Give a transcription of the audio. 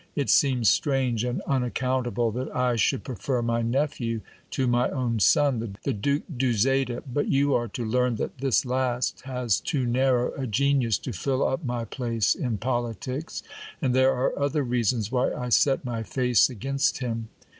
It seems strange and unaccountable that I should prefer my nephew to my own son, the Duke d'Uzeda. But you are to learn that this last has too narrow a genius to fill up my place in politics ; and there are other reasons why I set my face against him.